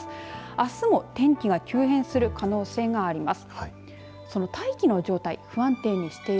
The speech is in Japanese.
あすも天気が急変する可能性があります。